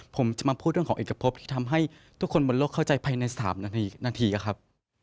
ผมจะมาพูดเรื่องของเอกพบที่ทำให้ทุกคนบนโลกเข้าใจภายใน๓นาทีครับ